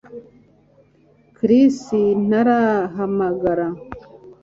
Chris ntarahamagara